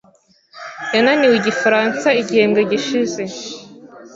yanaweniwe igifaransa igihembwe gishize.